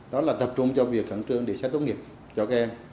đó là tập trung cho việc khẳng trương để xét tốt nghiệp cho các em